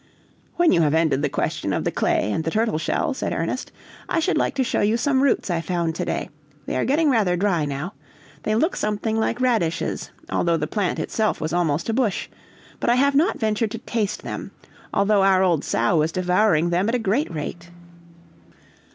"When you have ended the question of the clay and the turtle shell," said Ernest, "I should like to show you some roots I found to day; they are getting rather dry now. They look something like radishes, although the plant itself was almost a bush; but I have not ventured to taste them, although our old sow was devouring them at a great rate."